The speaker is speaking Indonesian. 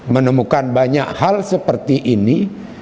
menemukan banyak hal seperti ini